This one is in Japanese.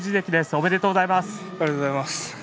ありがとうございます。